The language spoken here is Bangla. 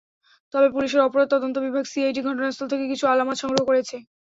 তবে পুলিশের অপরাধ তদন্ত বিভাগ সিআইডি ঘটনাস্থল থেকে কিছু আলামত সংগ্রহ করেছে।